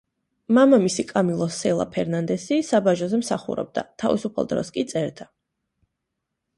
მამამისი კამილო სელა ფერნანდესი საბაჟოზე მსახურობდა, თავისუფალ დროს კი წერდა.